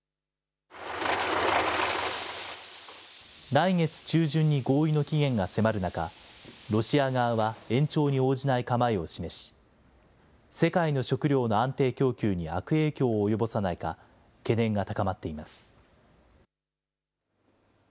来月中旬に合意の期限が迫る中、ロシア側は延長に応じない構えを示し、世界の食料の安定供給に悪影響を及ぼさないか、懸念が高まっています。